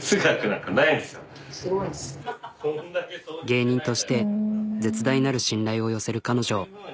芸人として絶大なる信頼を寄せる彼女。